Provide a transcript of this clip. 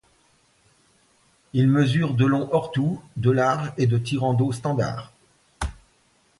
Il mesure de long hors tout, de large et de tirant d'eau standard.